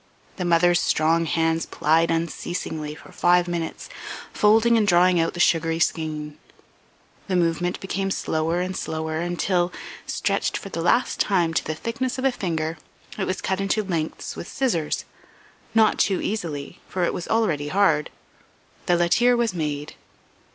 The mother's strong hands plied unceasingly for five minutes, folding and drawing out the sugary skein; the movement became slower and slower, until, stretched for the last time to the thickness of a finger, it was cut into lengths with scissors not too easily, for it was already hard. The la tire was made.